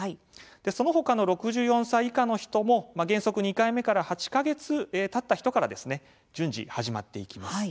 そのほかの６４歳以下の人も原則２回目から８か月たった人から順次始まっていきます。